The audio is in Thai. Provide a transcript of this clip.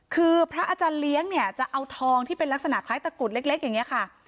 คือพระอาจารย์เลี้ยงเนี่ยจะเอาทองที่เป็นลักษณะคล้ายตะกุดเล็กอย่างนี้ค่ะ